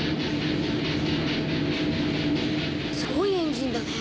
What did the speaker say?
すごいエンジンだね。